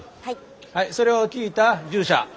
はいそれを聞いた従者。